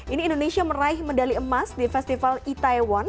ini indonesia meraih medali emas di festival itaewon